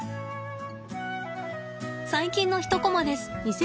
最近の一コマです。